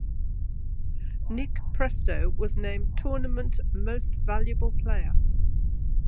Nick Presto was named Tournament Most Valuable Player.